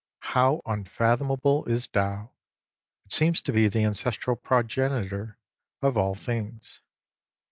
How unfathomable is Tao ! It seems to be the ancestral progenitor of all things.